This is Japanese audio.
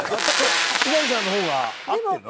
三谷さんの方が合ってるの？